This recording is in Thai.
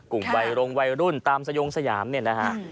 กลุ่มวัยรงวัยรุ่นตามสยงสยามเนี่ยนะฮะ